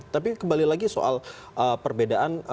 tapi kembali lagi soal perbedaan